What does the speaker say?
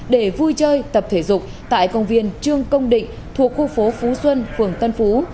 để vui chơi tập thể dục tại công viên trương công định thuộc khu phố phú xuân phường tân phú